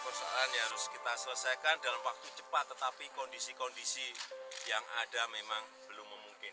nah takutnya ini sudah sudah kita selesaikan dalam waktu cepat tetapi kondisi kondisi yang ada memang belum memungkinkan